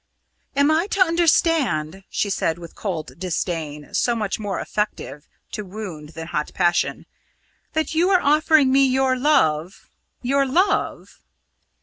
"Am I to understand," she said with cold disdain, so much more effective to wound than hot passion, "that you are offering me your love? Your love?"